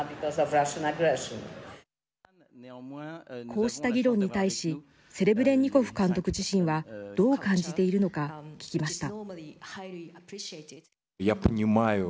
こうした議論に対しセレブレンニコフ監督自身はどう感じているのか聞きました。